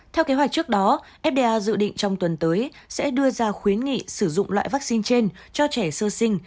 theo kế hoạch trước đó fda dự định trong tuần tới sẽ đưa ra khuyến nghị sử dụng loại vaccine trên cho trẻ sơ sinh